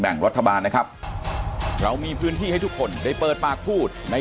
่งรัฐบาลนะครับเรามีพื้นที่ให้ทุกคนได้เปิดปากพูดใน